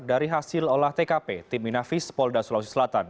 dari hasil olah tkp tim inafis polda sulawesi selatan